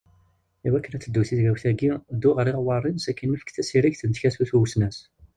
I wakken ad teddu tigawt-agi ddu ɣer iɣewwaṛen sakin efk tasiregt n tkatut i usnas.